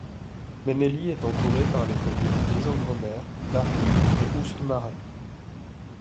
Méneslies est entourée par les communes d'Yzengremer, Dargnies et Oust-Marest.